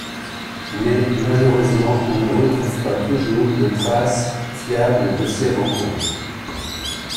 Mais malhaureusement on ne retrouve pas toujours de traces fiables de ces rencontres.